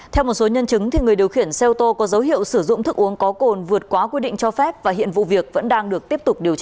theo một số nhân chứng người điều khiển xe ô tô có dấu hiệu sử dụng thức uống có cồn vượt quá quy định cho phép và hiện vụ việc vẫn đang được tiếp tục điều tra